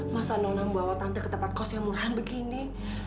masa non bawa tante ke tempat kos yang murahan begini